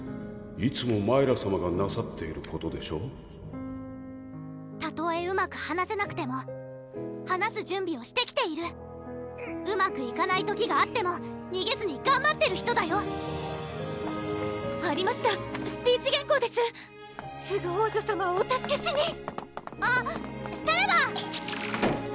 いつもマイラさまがなさっていることでしたとえうまく話せなくても話す準備をしてきているうまくいかない時があってもにげずにがんばってる人だよありましたスピーチ原稿ですすぐ王女さまをお助けしにあっさらば！